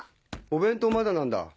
お弁当まだなんだ